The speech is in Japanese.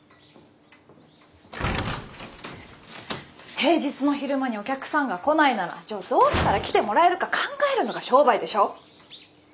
平日の昼間にお客さんが来ないならじゃあどうしたら来てもらえるか考えるのが商売でしょ！